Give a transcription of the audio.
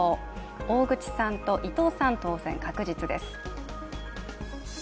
大口さんと伊藤さんが当選確実です。